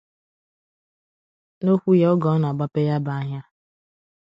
N'okwu ya oge ọ na-agbape ya bụ ahịa